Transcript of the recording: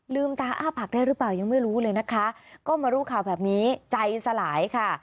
ตาอ้าผักได้หรือเปล่ายังไม่รู้เลยนะคะก็มารู้ข่าวแบบนี้ใจสลายค่ะ